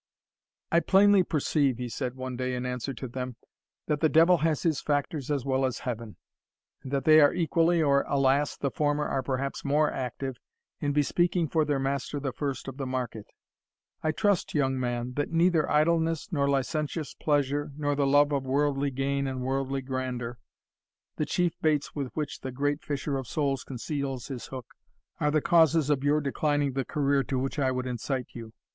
"I plainly perceive," he said one day, in answer to them, "that the devil has his factors as well as Heaven, and that they are equally, or, alas! the former are perhaps more active, in bespeaking for their master the first of the market. I trust, young man, that neither idleness, nor licentious pleasure, nor the love of worldly gain and worldly grandeur, the chief baits with which the great Fisher of souls conceals his hook, are the causes of your declining the career to which I would incite you.